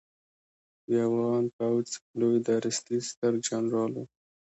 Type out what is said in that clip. د افغان پوځ لوی درستیز سترجنرال و